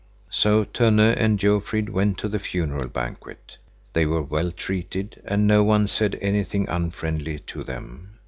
So Tönne and Jofrid went to the funeral banquet. They were well treated, and no one said anything unfriendly to them.